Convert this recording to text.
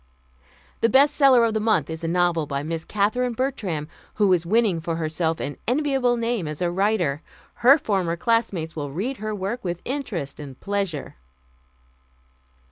"The best seller of the month is a novel by Miss Katherine Bertram, who is winning for herself an enviable name as a writer. Her former classmates will read her work with interest and pleasure."